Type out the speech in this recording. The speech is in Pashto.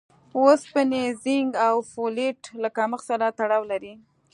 اوسپنې، زېنک او فولېټ له کمښت سره تړاو لري.